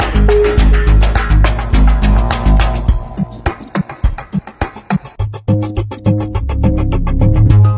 วิ่งเร็วมากครับ